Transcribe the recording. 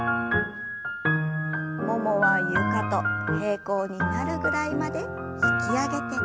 ももは床と平行になるぐらいまで引き上げて。